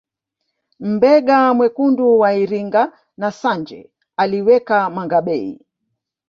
Mbega mwekundu wa Iringa na Sanje aliweka mangabey